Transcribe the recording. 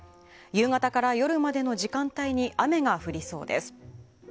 夕方から夜までの時間帯に雨が降りそうです。